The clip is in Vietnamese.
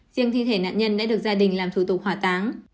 riêng thi thể nạn nhân đã được gia đình làm thủ tục hỏa táng